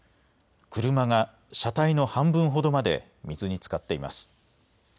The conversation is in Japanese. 車が車体の半分ほどまで水につかっています。